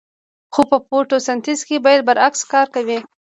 خو په فتوسنتیز کې بیا برعکس کار کوي